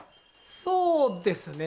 そうですね。